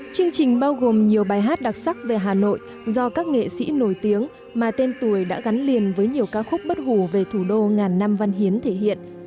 chương trình bao gồm nhiều bài hát đặc sắc về hà nội do các nghệ sĩ nổi tiếng mà tên tuổi đã gắn liền với nhiều ca khúc bất hủ về thủ đô ngàn năm văn hiến thể hiện